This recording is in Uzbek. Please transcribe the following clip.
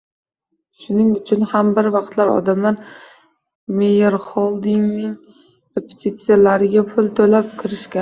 Shuning uchun ham bir vaqtlar odamlar Meyerxoldning repetitsiyalariga pul to‘lab kirishgan.